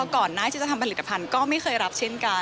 ก่อนหน้าที่จะทำผลิตภัณฑ์ก็ไม่เคยรับเช่นกัน